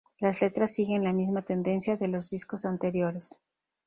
Las letras siguen la misma tendencia de los discos anteriores.